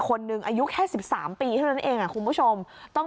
คนหนึ่งอายุแค่๑๓ปีเท่านั้นเองคุณผู้ชมต้อง